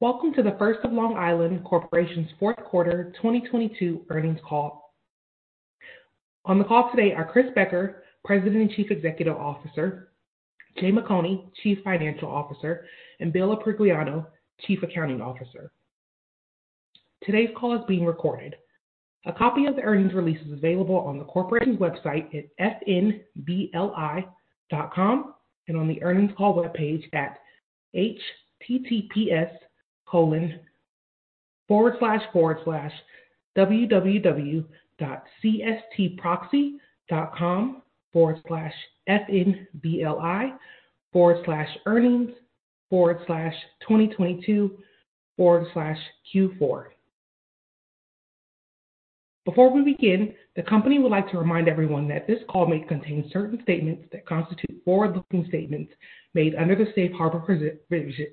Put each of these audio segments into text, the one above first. Welcome to The First of Long Island Corporation's fourth quarter 2022 earnings call. On the call today are Christopher Becker, President and Chief Executive Officer, Jay McConie, Chief Financial Officer, and Bill Aprigliano, Chief Accounting Officer. Today's call is being recorded. A copy of the earnings release is available on the corporation's website at fnbli.com, and on the earnings call webpage at https://www.cstproxy.com/fnbli/earnings/2022/Q4. Before we begin, the company would like to remind everyone that this call may contain certain statements that constitute forward-looking statements made under the safe harbor provisions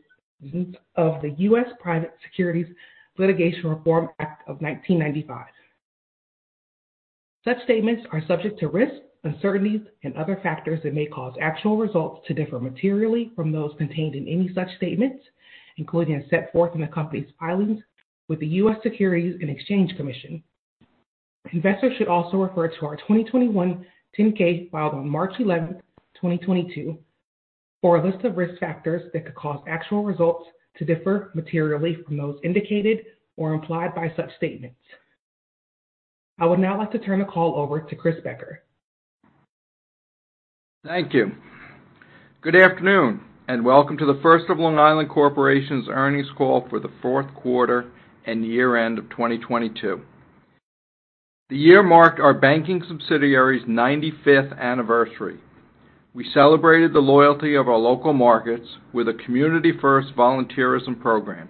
of the U.S. Private Securities Litigation Reform Act of 1995. Such statements are subject to risks, uncertainties, and other factors that may cause actual results to differ materially from those contained in any such statements, including as set forth in the company's filings with the U.S. Securities and Exchange Commission. Investors should also refer to our 2021 10-K filed on March 11th, 2022 for a list of risk factors that could cause actual results to differ materially from those indicated or implied by such statements. I would now like to turn the call over to Chris Becker. Thank you. Good afternoon, and welcome to The First of Long Island Corporation's earnings call for the fourth quarter and year-end of 2022. The year marked our banking subsidiary's 95th anniversary. We celebrated the loyalty of our local markets with a Community First volunteerism program.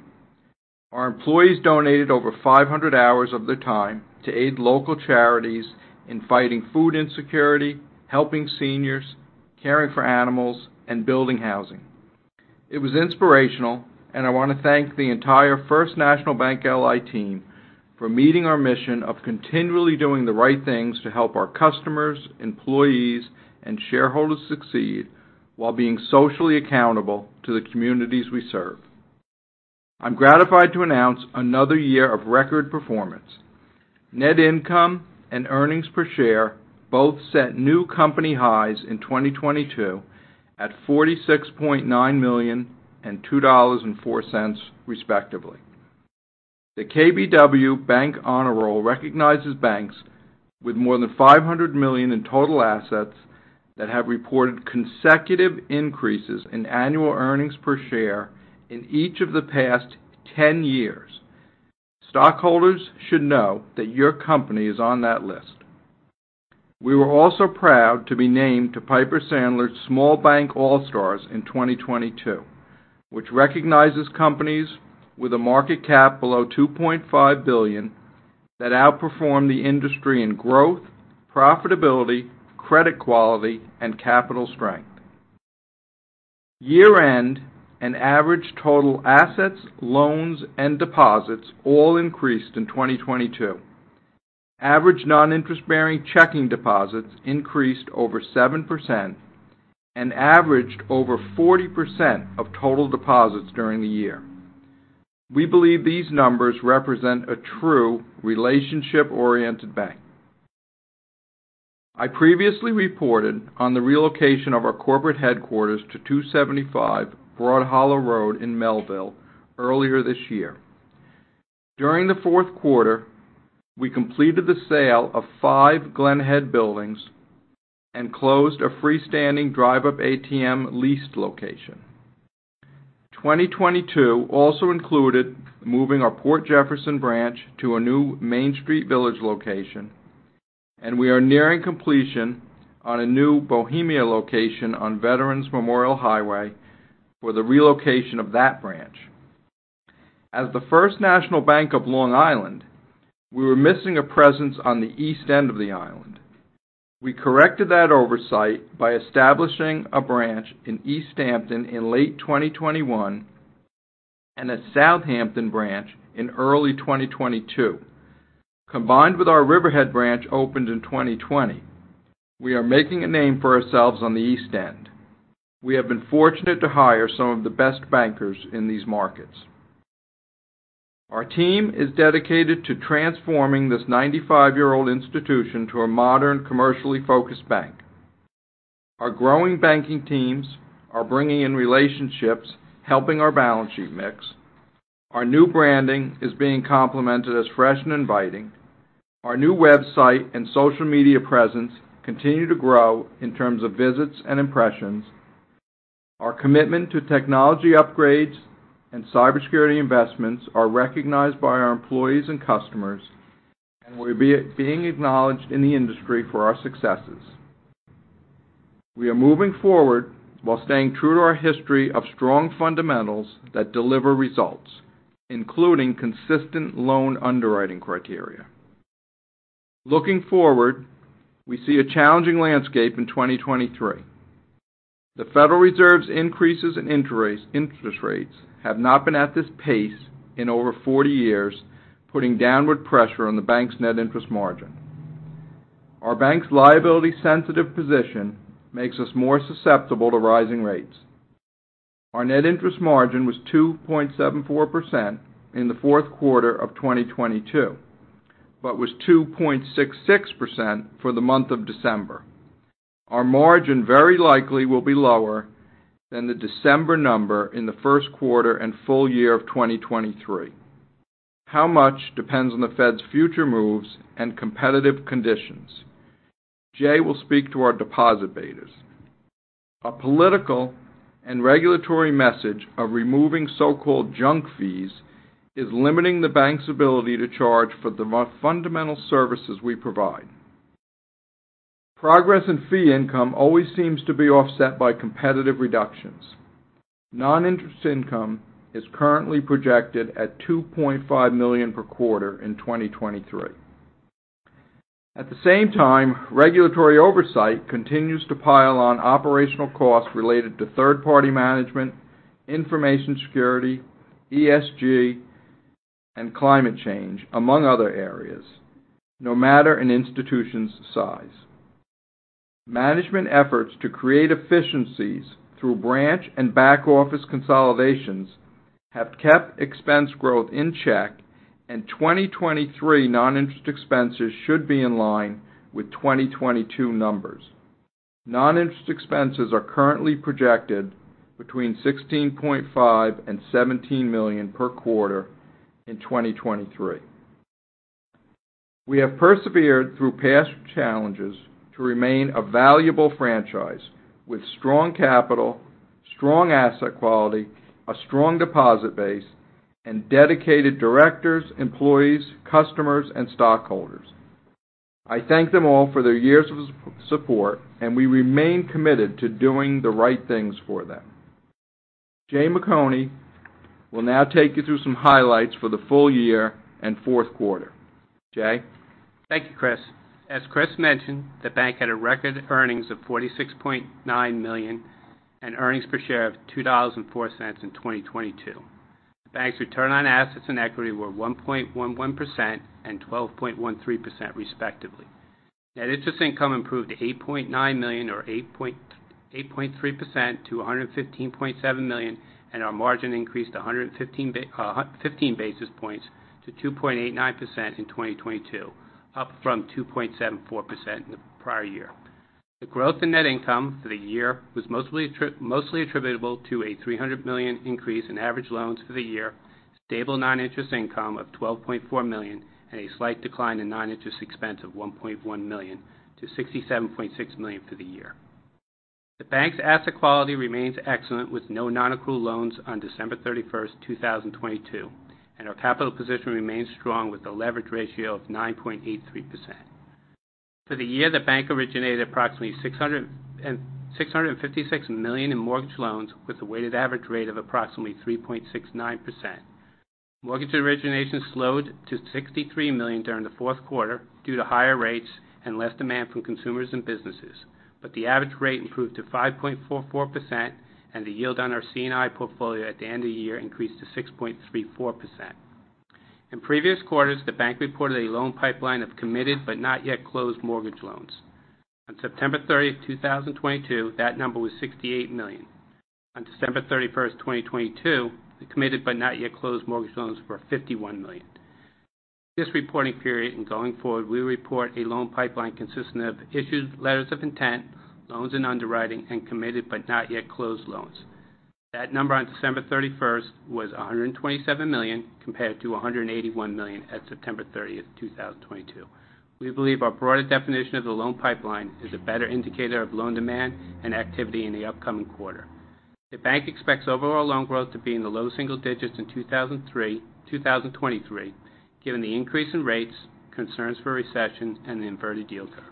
Our employees donated over 500 hours of their time to aid local charities in fighting food insecurity, helping seniors, caring for animals, and building housing. It was inspirational, and I want to thank the entire First National Bank LI team for meeting our mission of continually doing the right things to help our customers, employees, and shareholders succeed while being socially accountable to the communities we serve. I'm gratified to announce another year of record performance. Net income and earnings per share both set new company highs in 2022 at $46.9 million and $2.04, respectively. The KBW Bank Honor Roll recognizes banks with more than $500 million in total assets that have reported consecutive increases in annual earnings per share in each of the past 10 years. Stockholders should know that your company is on that list. We were also proud to be named to Piper Sandler's Sm-All Stars in 2022, which recognizes companies with a market cap below $2.5 billion that outperform the industry in growth, profitability, credit quality, and capital strength. Year-end and average total assets, loans, and deposits all increased in 2022. Average non-interest-bearing checking deposits increased over 7% and averaged over 40% of total deposits during the year. We believe these numbers represent a true relationship-oriented bank. I previously reported on the relocation of our corporate headquarters to 275 Broad Hollow Road in Melville earlier this year. During the fourth quarter, we completed the sale of five Glen Head buildings and closed a freestanding drive-up ATM leased location. 2022 also included moving our Port Jefferson branch to a new Main Street Village location, we are nearing completion on a new Bohemia location on Veterans Memorial Highway for the relocation of that branch. As The First National Bank of Long Island, we were missing a presence on the East End of the island. We corrected that oversight by establishing a branch in East Hampton in late 2021 and a Southampton branch in early 2022. Combined with our Riverhead branch opened in 2020, we are making a name for ourselves on the East End. We have been fortunate to hire some of the best bankers in these markets. Our team is dedicated to transforming this 95-year-old institution to a modern, commercially focused bank. Our growing banking teams are bringing in relationships, helping our balance sheet mix. Our new branding is being complemented as fresh and inviting. Our new website and social media presence continue to grow in terms of visits and impressions. Our commitment to technology upgrades and cybersecurity investments are recognized by our employees and customers, we're being acknowledged in the industry for our successes. We are moving forward while staying true to our history of strong fundamentals that deliver results, including consistent loan underwriting criteria. Looking forward, we see a challenging landscape in 2023. The Federal Reserve's increases in interest rates have not been at this pace in over 40 years, putting downward pressure on the bank's net interest margin. Our bank's liability-sensitive position makes us more susceptible to rising rates. Our net interest margin was 2.74% in the fourth quarter of 2022, but was 2.66% for the month of December. Our margin very likely will be lower than the December number in the first quarter and full year of 2023. How much depends on the Fed's future moves and competitive conditions. Jay will speak to our deposit betas. A political and regulatory message of removing so-called junk fees is limiting the bank's ability to charge for the fundamental services we provide. Progress in fee income always seems to be offset by competitive reductions. Non-interest income is currently projected at $2.5 million per quarter in 2023. At the same time, regulatory oversight continues to pile on operational costs related to third-party management, information security, ESG, and climate change, among other areas, no matter an institution's size. Management efforts to create efficiencies through branch and back office consolidations have kept expense growth in check. 2023 non-interest expenses should be in line with 2022 numbers. Non-interest expenses are currently projected between $16.5 million and $17 million per quarter in 2023. We have persevered through past challenges to remain a valuable franchise with strong capital, strong asset quality, a strong deposit base, and dedicated directors, employees, customers, and stockholders. I thank them all for their years of support. We remain committed to doing the right things for them. Jay McConie will now take you through some highlights for the full year and fourth quarter. Jay. Thank you, Chris. As Chris mentioned, the bank had a record earnings of $46.9 million and earnings per share of $2.04 in 2022. The bank's return on assets and equity were 1.11% and 12.13% respectively. Net interest income improved to $8.9 million or 8.3% to $115.7 million, and our margin increased 115 basis points to 2.89% in 2022, up from 2.74% in the prior year. The growth in net income for the year was mostly attributable to a $300 million increase in average loans for the year, stable non-interest income of $12.4 million, and a slight decline in non-interest expense of $1.1 million to $67.6 million for the year. The bank's asset quality remains excellent with no non-accrual loans on December 31, 2022, and our capital position remains strong with a leverage ratio of 9.83%. For the year, the bank originated approximately $656 million in mortgage loans with a weighted average rate of approximately 3.69%. Mortgage origination slowed to $63 million during the fourth quarter due to higher rates and less demand from consumers and businesses, but the average rate improved to 5.44% and the yield on our C&I portfolio at the end of the year increased to 6.34%. In previous quarters, the bank reported a loan pipeline of committed but not yet closed mortgage loans. On September 30, 2022, that number was $68 million. On December 31, 2022, the committed but not yet closed mortgage loans were $51 million. This reporting period and going forward, we report a loan pipeline consisting of issued letters of intent, loans and underwriting, and committed but not yet closed loans. That number on December 31 was $127 million compared to $181 million at September 30, 2022. We believe our broader definition of the loan pipeline is a better indicator of loan demand and activity in the upcoming quarter. The bank expects overall loan growth to be in the low single digits in 2023, given the increase in rates, concerns for recession, and the inverted yield curve.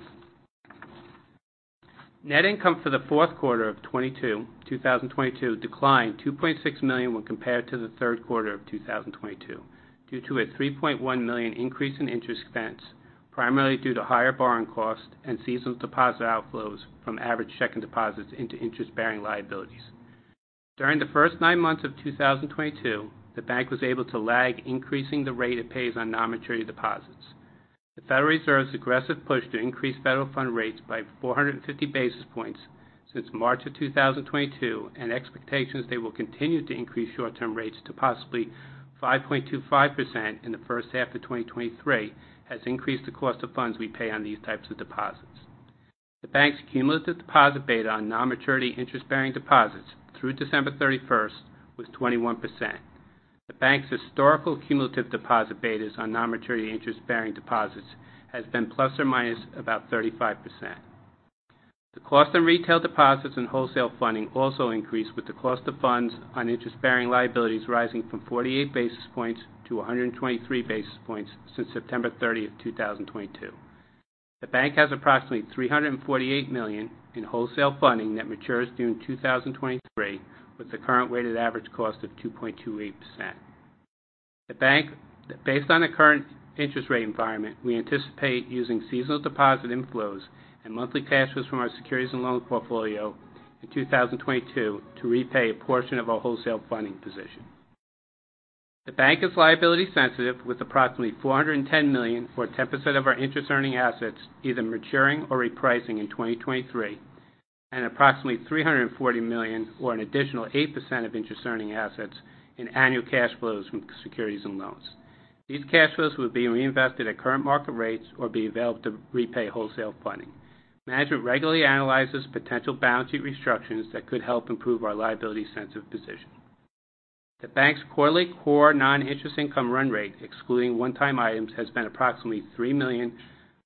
Net income for the fourth quarter of 2022 declined $2.6 million when compared to the third quarter of 2022, due to a $3.1 million increase in interest expense, primarily due to higher borrowing costs and seasonal deposit outflows from average checking deposits into interest-bearing liabilities. During the first nine months of 2022, the bank was able to lag increasing the rate it pays on non-maturity deposits. The Federal Reserve's aggressive push to increase federal fund rates by 450 basis points since March 2022, and expectations they will continue to increase short-term rates to possibly 5.25% in the first half of 2023 has increased the cost of funds we pay on these types of deposits. The bank's cumulative deposit beta on non-maturity interest-bearing deposits through December 31st was 21%. The bank's historical cumulative deposit betas on non-maturity interest-bearing deposits has been plus or minus about 35%. The cost on retail deposits and wholesale funding also increased with the cost of funds on interest-bearing liabilities rising from 48 basis points to 123 basis points since September 30th, 2022. The bank has approximately $348 million in wholesale funding that matures during 2023, with the current weighted average cost of 2.28%. Based on the current interest rate environment, we anticipate using seasonal deposit inflows and monthly cash flows from our securities and loan portfolio in 2022 to repay a portion of our wholesale funding position. The bank is liability sensitive with approximately $410 million or 10% of our interest earning assets either maturing or repricing in 2023. Approximately $340 million or an additional 8% of interest earning assets in annual cash flows from securities and loans. These cash flows will be reinvested at current market rates or be available to repay wholesale funding. Management regularly analyzes potential balance sheet restructures that could help improve our liability sensitive position. The bank's quarterly core non-interest income run rate, excluding one-time items, has been approximately $3 million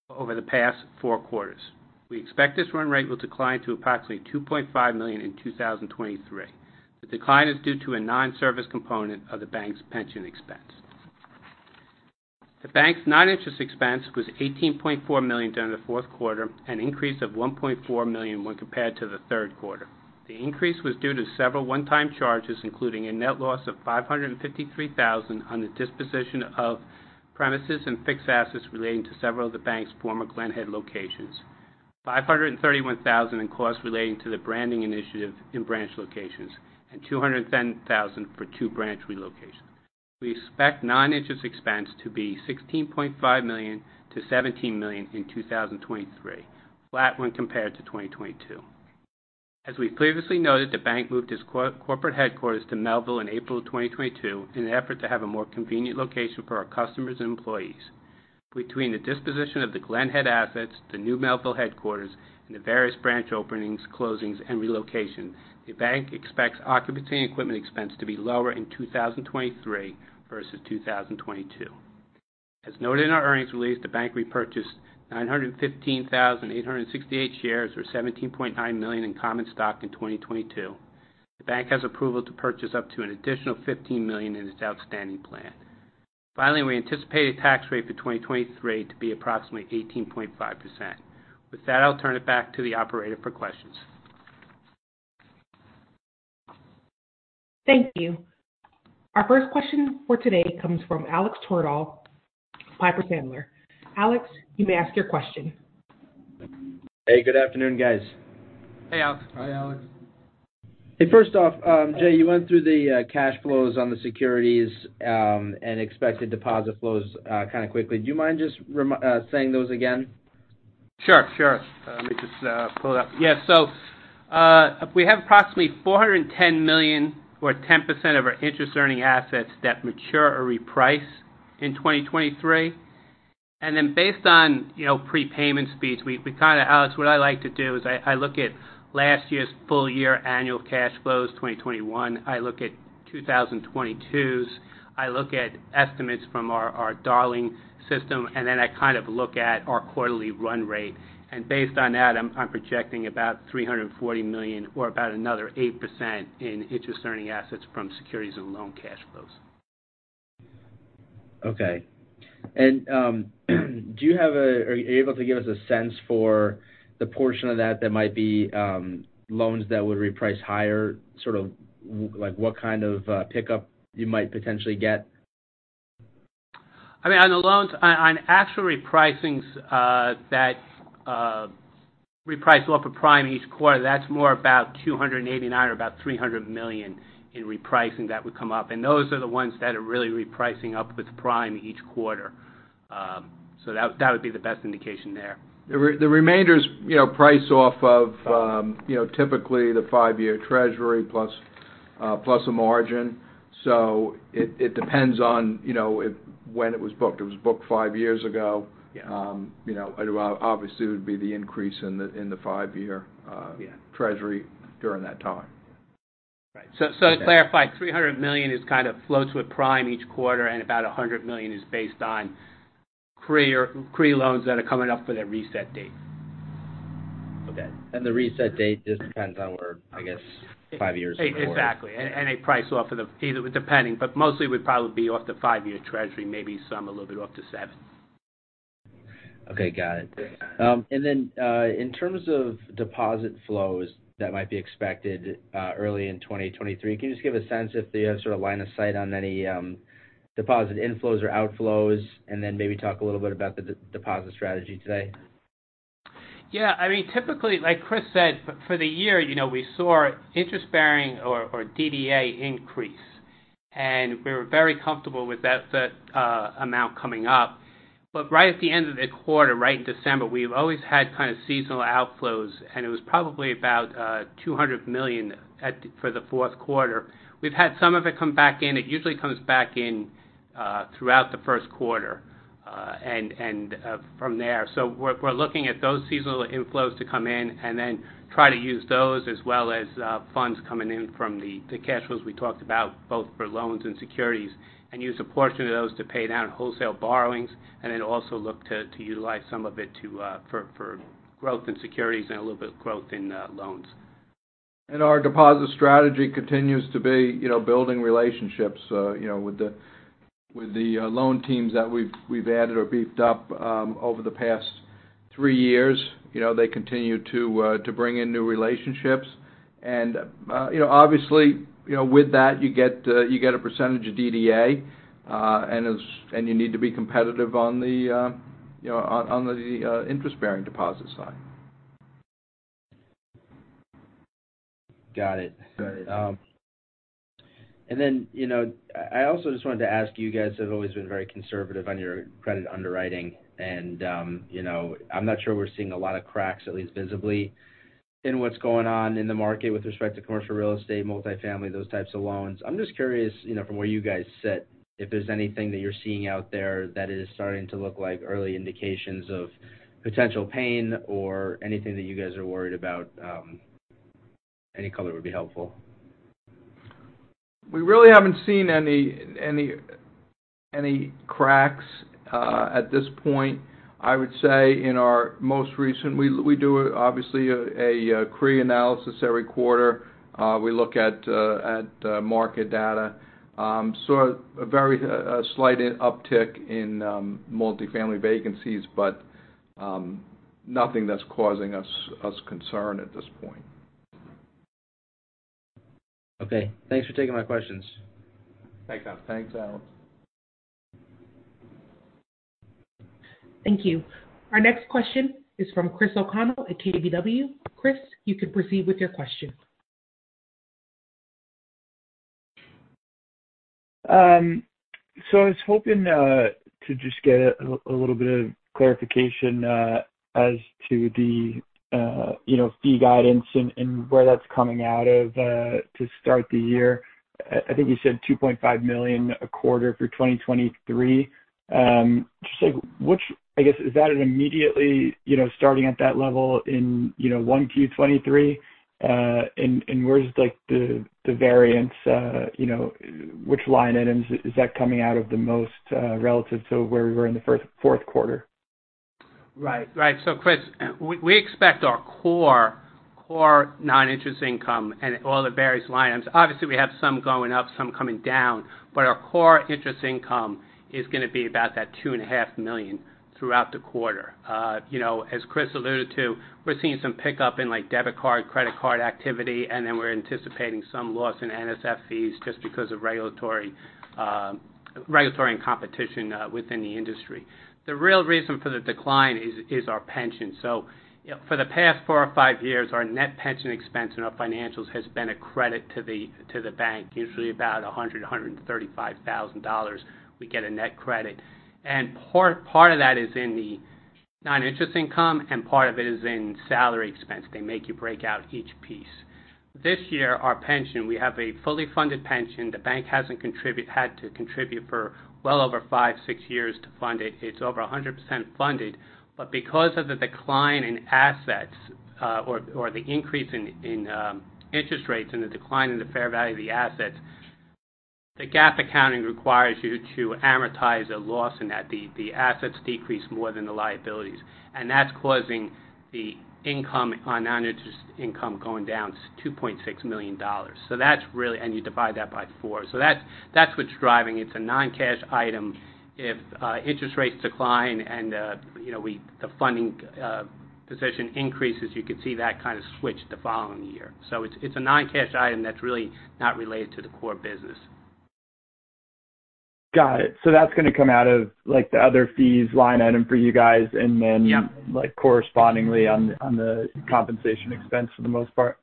over the past four quarters. We expect this run rate will decline to approximately $2.5 million in 2023. The decline is due to a non-service component of the bank's pension expense. The bank's non-interest expense was $18.4 million during the fourth quarter, an increase of $1.4 million when compared to the third quarter. The increase was due to several one-time charges, including a net loss of $553,000 on the disposition of premises and fixed assets relating to several of the bank's former Glen Head locations. Five hundred and thirty-one thousand in costs relating to the branding initiative in branch locations, and $210,000 for two branch relocations. We expect non-interest expense to be $16.5 million-$17 million in 2023, flat when compared to 2022. As we previously noted, the bank moved its corporate headquarters to Melville in April of 2022 in an effort to have a more convenient location for our customers and employees. Between the disposition of the Glen Head assets, the new Melville headquarters, and the various branch openings, closings, and relocations, the bank expects occupancy and equipment expense to be lower in 2023 versus 2022. As noted in our earnings release, the bank repurchased 915,868 shares, or $17.9 million in common stock in 2022. The bank has approval to purchase up to an additional $15 million in its outstanding plan. Finally, we anticipate a tax rate for 2023 to be approximately 18.5%. With that, I'll turn it back to the operator for questions. Thank you. Our first question for today comes from Alex Twerdahl, Piper Sandler. Alex, you may ask your question. Hey, good afternoon, guys. Hey, Alex. Hi, Alex. Hey, first off, Jay, you went through the cash flows on the securities, and expected deposit flows, kind of quickly. Do you mind just saying those again? Sure, sure. Let me just pull it up. Yeah. We have approximately $410 million or 10% of our interest earning assets that mature or reprice in 2023. Based on, you know, prepayment speeds, Alex, what I like to do is I look at last year's full year annual cash flows, 2021. I look at 2022's. I look at estimates from our DARLING system, and then I kind of look at our quarterly run rate. Based on that, I'm projecting about $340 million or about another 8% in interest earning assets from securities and loan cash flows. Okay. Are you able to give us a sense for the portion of that might be, loans that would reprice higher, sort of like what kind of, pickup you might potentially get? I mean, on the loans-- on actual repricings, that reprice off of prime each quarter, that's more about 289 or about $300 million in repricing that would come up. Those are the ones that are really repricing up with prime each quarter. That would be the best indication there. The remainders, you know, price off of, you know, typically the five-year Treasury plus a margin. It, it depends on, you know, it when it was booked. It was booked five years ago. Yeah. You know, obviously, it would be the increase in the five-year. Yeah ...Treasury during that time. Right. To clarify, $300 million is kind of flows with prime each quarter, about $100 million is based on CRE loans that are coming up for their reset date. Okay. The reset date just depends on where, I guess, five years or more. Exactly. They price off of the, either depending, but mostly it would probably be off the five year Treasury, maybe some a little bit off the seventh. Okay. Got it. Yeah. In terms of deposit flows that might be expected, early in 2023, can you just give a sense if you have sort of line of sight on any, deposit inflows or outflows? Maybe talk a little bit about the de-deposit strategy today? Yeah. I mean, typically, like Chris said, for the year, you know, we saw interest bearing or DDA increase, and we were very comfortable with that amount coming up. Right at the end of the quarter, right in December, we've always had kind of seasonal outflows, it was probably about $200 million for the fourth quarter. We've had some of it come back in. It usually comes back in throughout the first quarter and from there. We're looking at those seasonal inflows to come in and then try to use those as well as funds coming in from the cash flows we talked about both for loans and securities, and use a portion of those to pay down wholesale borrowings and then also look to utilize some of it to for growth in securities and a little bit of growth in loans. Our deposit strategy continues to be, you know, building relationships, you know, with the loan teams that we've added or beefed up over the past three years. You know, they continue to bring in new relationships. You know, obviously, you know, with that, you get a percentage of DDA, and you need to be competitive on the interest-bearing deposit side. Got it. You know, I also just wanted to ask you guys have always been very conservative on your credit underwriting and, you know, I'm not sure we're seeing a lot of cracks, at least visibly in what's going on in the market with respect to commercial real estate, multifamily, those types of loans. I'm just curious, you know, from where you guys sit, if there's anything that you're seeing out there that is starting to look like early indications of potential pain or anything that you guys are worried about, any color would be helpful? We really haven't seen any cracks at this point. I would say in our most recent. We do obviously a CRE analysis every quarter. We look at market data. A very slight uptick in multifamily vacancies, but nothing that's causing us concern at this point. Okay. Thanks for taking my questions. Thanks, Alex. Thank you. Our next question is from Christopher O'Connell at KBW. Chris, you can proceed with your question. I was hoping to just get a little bit of clarification as to the, you know, fee guidance and where that's coming out of to start the year. I think you said $2.5 million a quarter for 2023. Just like I guess, is that an immediately, you know, starting at that level in, you know, 1Q 2023? Where's like the variance? You know, which line items is that coming out of the most relative to where we were in the fourth quarter? Right. Right. Chris, we expect our core non-interest income and all the various lines. Obviously, we have some going up, some coming down, but our core interest income is gonna be about that two and a half million throughout the quarter. you know, as Chris alluded to, we're seeing some pickup in, like, debit card, credit card activity, and then we're anticipating some loss in NSF fees just because of regulatory and competition within the industry. The real reason for the decline is our pension. For the past four or five years, our net pension expense and our financials has been a credit to the bank. Usually about $135,000, we get a net credit. And part of that is in the non-interest income, and part of it is in salary expense. They make you break out each piece. This year, our pension, we have a fully funded pension. The bank hasn't had to contribute for well over five, six years to fund it. It's over 100% funded. Because of the decline in assets, or the increase in interest rates and the decline in the fair value of the assets, the GAAP accounting requires you to amortize a loss, and that the assets decrease more than the liabilities. That's causing the income on non-interest income going down to $2.6 million. That's really... You divide that by four. That's what's driving. It's a non-cash item. If interest rates decline and, you know, the funding position increases, you could see that kind of switch the following year. It's a non-cash item that's really not related to the core business. Got it. that's gonna come out of like the other fees line item for you guys and then. Yeah. like correspondingly on the compensation expense for the most part.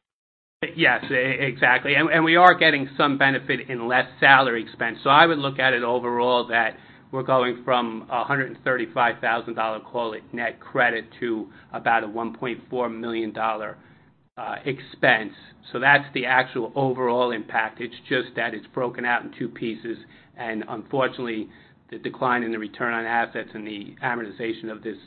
Yes, exactly. We are getting some benefit in less salary expense. I would look at it overall that we're going from $135,000, call it net credit to about a $1.4 million expense. That's the actual overall impact. It's just that it's broken out in two pieces. Unfortunately, the decline in the return on assets and the amortization of this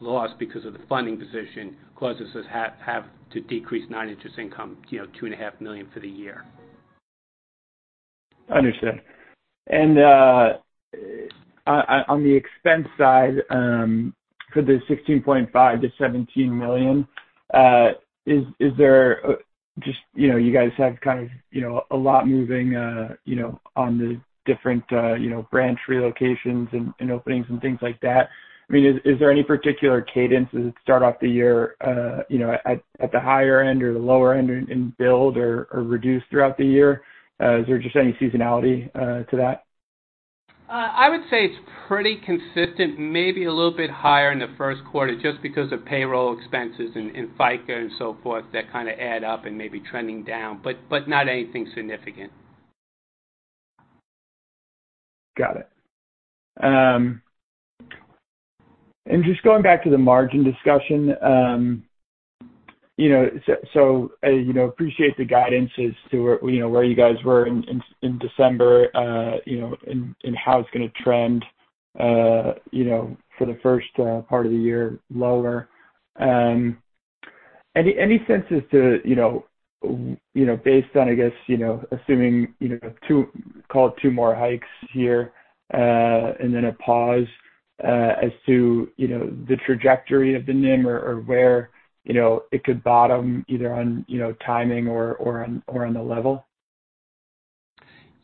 loss because of the funding position causes us to have to decrease non-interest income, you know, $2.5 million for the year. Understood. On the expense side, for the $16.5 million-$17 million, is there just, you know, you guys have kind of, you know, a lot moving, you know, on the different, you know, branch relocations and openings and things like that? I mean, is there any particular cadence as it start off the year, you know, at the higher end or the lower end in build or reduce throughout the year? Is there just any seasonality to that? I would say it's pretty consistent, maybe a little bit higher in the first quarter just because of payroll expenses and FICA and so forth that kind of add up and may be trending down, but not anything significant. Got it. Just going back to the margin discussion, you know, so, you know, appreciate the guidance as to where, you know, where you guys were in December, you know, and how it's gonna trend, you know, for the first, part of the year lower. Any senses to, you know, based on, I guess, you know, assuming, you know, call it two more hikes here, and then a pause, as to, you know, the trajectory of the NIM or where, you know, it could bottom either on, you know, timing or on the level?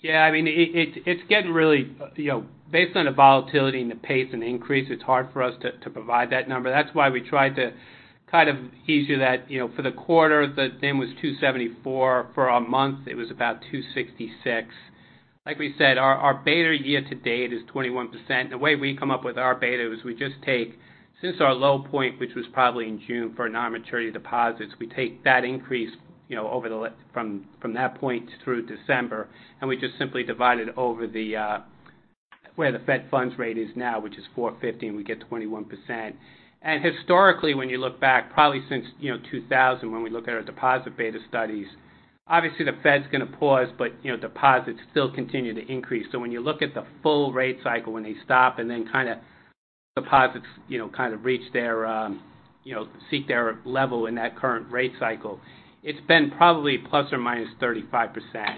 Yeah, I mean, it's getting really, you know, based on the volatility and the pace and the increase, it's hard for us to provide that number. That's why we tried to kind of ease you that, you know, for the quarter, the NIM was 2.74%. For a month, it was about 2.66%. Like we said, our beta year-to-date is 21%. The way we come up with our beta is we just take since our low point, which was probably in June for non-maturity deposits. We take that increase, you know, over from that point through December, and we just simply divide it over the where the Fed funds rate is now, which is 4.50%, and we get 21%. Historically, when you look back, probably since, you know, 2000 when we look at our deposit beta studies, obviously the Fed's gonna pause, but, you know, deposits still continue to increase. When you look at the full rate cycle, when they stop and then kinda deposits, you know, kind of reach their, you know, seek their level in that current rate cycle, it's been probably ±35%.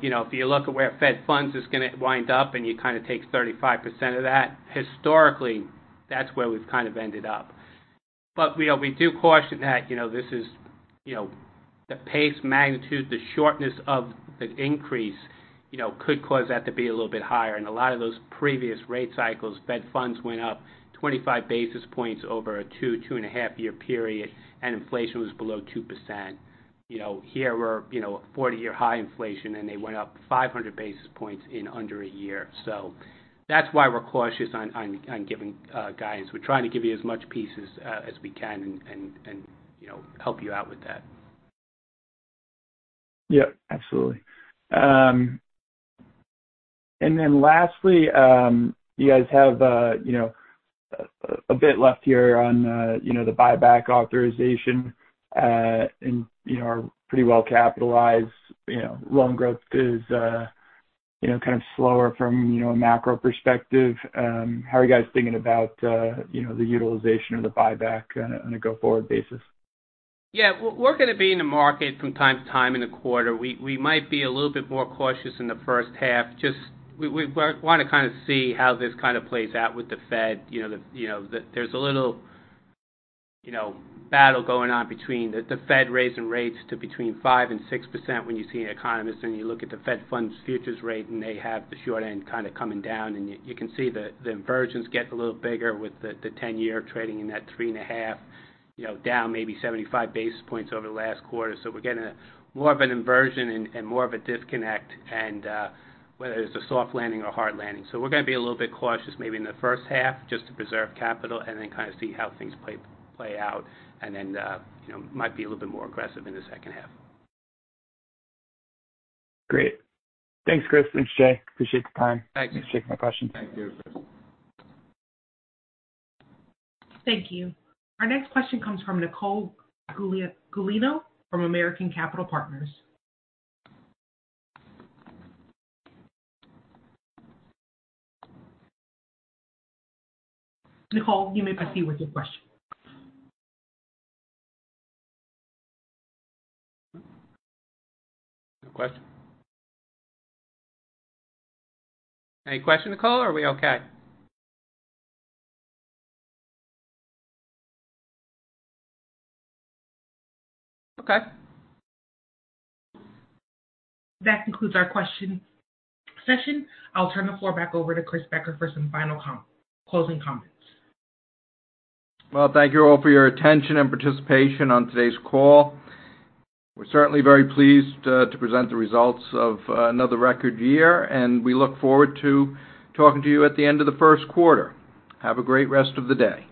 You know, if you look at where Fed funds is gonna wind up and you kinda take 35% of that, historically, that's where we've kind of ended up. You know, we do caution that, you know, this is, you know, the pace magnitude, the shortness of the increase, you know, could cause that to be a little bit higher. In a lot of those previous rate cycles, Fed funds went up 25 basis points over a 2 and a half year period, and inflation was below 2%. You know, here we're, you know, 40-year high inflation, they went up 500 basis points in under a year. That's why we're cautious on giving guidance. We're trying to give you as much pieces as we can and, you know, help you out with that. Yeah, absolutely. Lastly, you guys have, you know, a bit left here on, you know, the buyback authorization, and, you know, are pretty well capitalized, you know, loan growth is, you know, kind of slower from, you know, a macro perspective. How are you guys thinking about, you know, the utilization of the buyback on a, on a go-forward basis? Yeah. We're gonna be in the market from time to time in the quarter. We might be a little bit more cautious in the first half. Just we wanna kinda see how this kinda plays out with the Fed. You know, there's a little, you know, battle going on between the Fed raising rates to between 5% and 6% when you see an economist and you look at the Fed funds futures rate, and they have the short end kinda coming down. You can see the inversions getting a little bigger with the 10-year trading in that 3.5%, you know, down maybe 75 basis points over the last quarter. We're getting more of an inversion and more of a disconnect, whether it's a soft landing or hard landing. We're gonna be a little bit cautious maybe in the first half just to preserve capital and then kinda see how things play out and then, you know, might be a little bit more aggressive in the second half. Great. Thanks, Chris. Thanks, Jay. Appreciate your time. Thank you. Appreciate my questions. Thank you. Thank you. Our next question comes from Nicole Gulino from American Capital Partners. Nicole, you may proceed with your question. No question? Any question, Nicole, or are we okay? Okay. That concludes our question session. I'll turn the floor back over to Christopher Becker for some final closing comments. Thank you all for your attention and participation on today's call. We're certainly very pleased to present the results of another record year. We look forward to talking to you at the end of the first quarter. Have a great rest of the day.